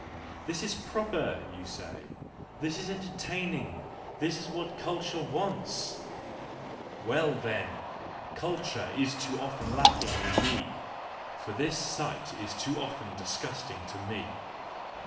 "This is proper," you say, "this 122 THE JOYFUL WISDOM, II is entertaining, this is what culture wants! "—Well then! culture is too often lacking in me, for this sight is too often disgusting to me.